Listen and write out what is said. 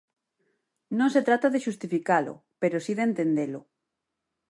Non se trata de xustificalo, pero si de entendelo.